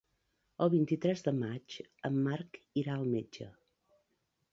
El vint-i-tres de maig en Marc irà al metge.